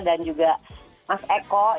dan juga makasih juga